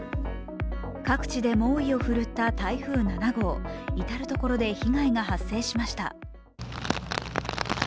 各地で猛威を振るった台風７号至る所で被害が発生しました。